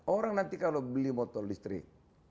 orang nanti kalau beli motor listrik